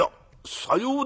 「さようか。